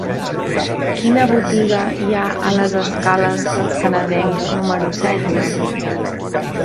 Quina botiga hi ha a les escales dels Canadencs número setze?